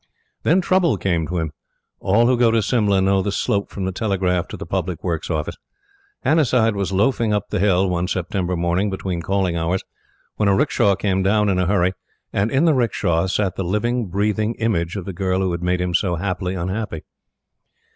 Then trouble came to him. All who go to Simla, know the slope from the Telegraph to the Public Works Office. Hannasyde was loafing up the hill, one September morning between calling hours, when a 'rickshaw came down in a hurry, and in the 'rickshaw sat the living, breathing image of the girl who had made him so happily unhappy.